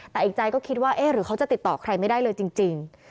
แต่อีกใจก็คิดว่าเอ๊ะหรือเขาจะติดต่อใครไม่ได้เลยจริง